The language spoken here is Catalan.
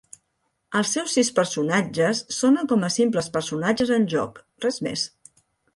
Els seus sis personatges sonen com a simples personatges en jocs, res més.